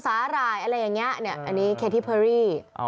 สาหร่ายเนี่ยสาหร่างเค้ที่เพอรี่